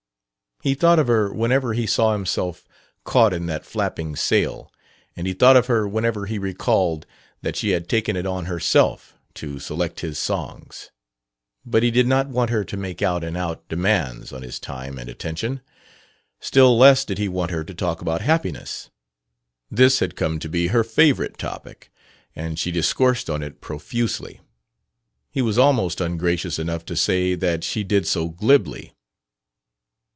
He thought of her whenever he saw himself caught in that flapping sail, and he thought of her whenever he recalled that she had taken it on herself to select his songs. But he did not want her to make out and out demands on his time and attention. Still less did he want her to talk about "happiness." This had come to be her favorite topic, and she discoursed on it profusely: he was almost ungracious enough to say that she did so glibly.